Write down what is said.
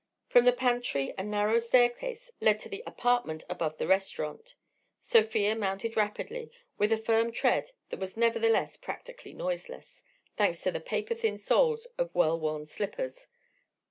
From the pantry a narrow staircase led up to the apartment above the restaurant. Sofia mounted rapidly, with a firm tread that was nevertheless practically noiseless, thanks to the paper thin soles of well worn slippers.